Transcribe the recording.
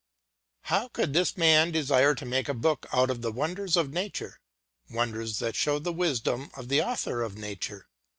How could this man desire to make a book out of the wonders of nature, wonders which show the wisdom of the author of nature?